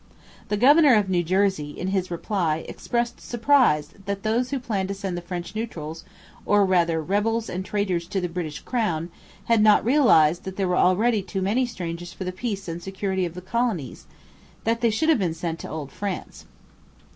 The governor of New Jersey, in his reply, expressed surprise that those who planned to send the French Neutrals, or rather rebels and traitors to the British crown, had not realized that there were already too many strangers for the peace and security of the colonies: that they should have been sent to Old France.